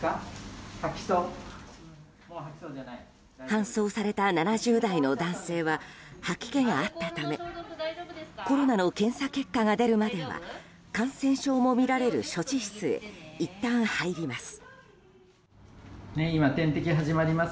搬送された７０代の男性は吐き気があったためコロナの検査結果が出るまでは感染症も診られる処置室へいったん入ります。